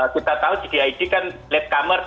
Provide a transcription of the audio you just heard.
kita tahu gdig kan lab commerce